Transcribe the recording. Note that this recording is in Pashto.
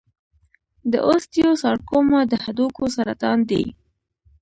د اوسټیوسارکوما د هډوکو سرطان دی.